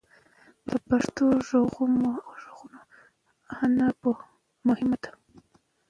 د پښتو غږپوهنه مهمه ده.